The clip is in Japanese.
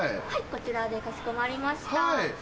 こちらでかしこまりました。